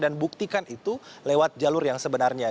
dan buktikan itu lewat jalur yang sebenarnya